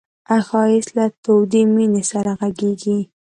ښایست له تودې مینې سره غږېږي